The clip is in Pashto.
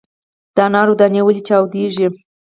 د انارو دانې ولې چاودیږي؟